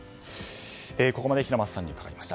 ここまで平松さんに伺いました。